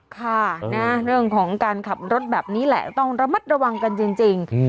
ค่ะนะเรื่องของการขับรถแบบนี้แหละต้องระมัดระวังกันจริง